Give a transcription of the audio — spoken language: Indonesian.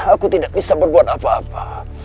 aku tidak bisa berbuat apa apa